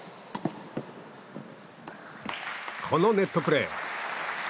このネットプレー。